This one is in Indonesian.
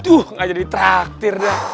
tuh gak jadi traktir dah